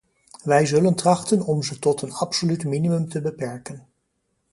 Wij zullen trachten om ze te tot een absoluut minimum te beperken.